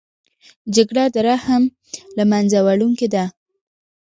جګړه د رحم له منځه وړونکې ده